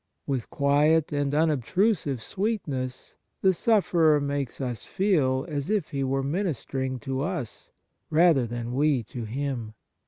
With quiet and unobtrusive sweetness the sufferer makes us feel as if he were ministering to us rather than we to him.